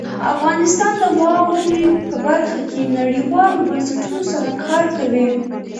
افغانستان د واوره په برخه کې نړیوالو بنسټونو سره کار کوي.